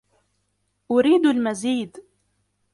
أريد المزيد